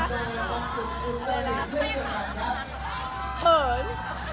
เขิน